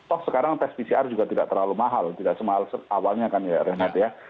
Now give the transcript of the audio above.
oh sekarang tes pcr juga tidak terlalu mahal tidak semahal awalnya kan ya renat ya